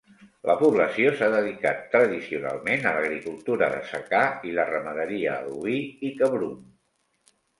La població s'ha dedicat tradicionalment a l'agricultura de secà i la ramaderia d'oví i cabrum.